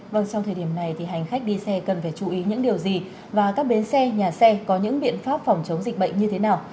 vâng sau thời điểm này thì hành khách đi xe cần phải chú ý những điều gì và các bến xe nhà xe có những biện pháp phòng chống dịch bệnh như thế nào